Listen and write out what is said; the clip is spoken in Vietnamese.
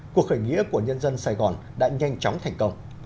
cuộc khởi nghĩa của nhân dân sài gòn đã nhanh chóng thành công